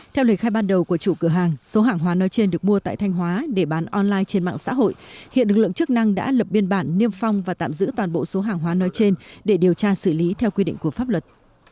theo lời khai ban đầu của chủ cửa hàng số hàng hóa nơi trên được mua tại thanh hóa để bán online trên mạng xã hội hiện lực lượng chức năng đã lập biên bản niêm phong và tạm giữ toàn bộ số hàng hóa nơi trên để điều tra xử lý theo quy định của pháp luật